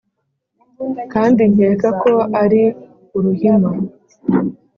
Kandi nkeka ko ari uruhima